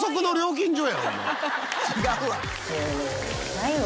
違うわ。